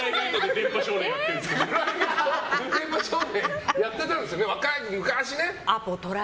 「電波少年」でやってたんですよね、昔。